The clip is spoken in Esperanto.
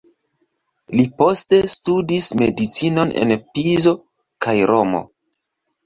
Li poste studis medicinon en Pizo kaj Romo.